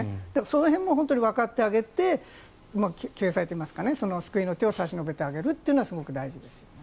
その辺もわかってあげて救済というか救いの手を差し伸べてあげるのがすごく大事ですよね。